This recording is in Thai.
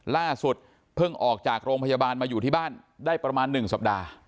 ล่าสุดเพิ่งออกจากโรงพยาบาลมาอยู่ที่บ้านได้ประมาณ๑สัปดาห์